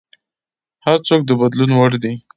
هر څوک د بدلون وړ دی.